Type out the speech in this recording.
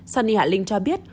suni hạ linh cho biết